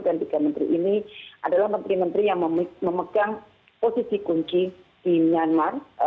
dan tiga menteri ini adalah menteri menteri yang memegang posisi kunci di myanmar